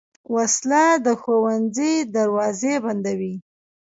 وسله د ښوونځي دروازې بندوي